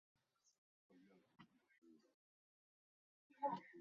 拉戈阿多拉达是巴西米纳斯吉拉斯州的一个市镇。